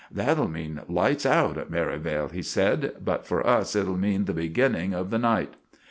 "That'll mean 'lights out' at Merivale," he sed; "but for us it'll mean the begenning of the night."